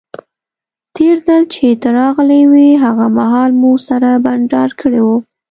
تیر ځل چې ته راغلی وې هغه مهال مو سره بانډار کړی وو.